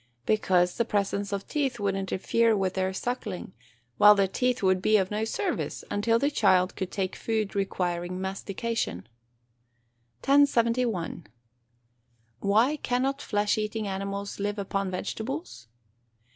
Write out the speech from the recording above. _ Because the presence of teeth would interfere with their suckling, while the teeth would be of no service, until the child could take food requiring mastication. 1071. _Why cannot flesh eating animals live upon vegetables?